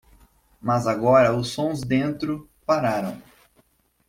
Mas agora os sons dentro pararam.